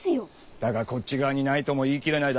だが「こっち側」にないとも言い切れないだろッ。